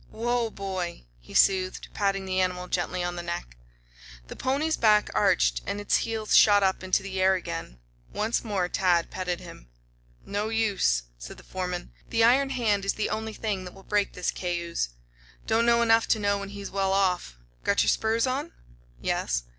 "Whoa, boy," he soothed, patting the animal gently on the neck. The pony's back arched and its heels shot up into the air again. Once more Tad petted him. "No use," said the foreman. "The iron hand is the only thing that will break this cayuse. Don't know enough to know when he's well off. Got your spurs on?" "Yes."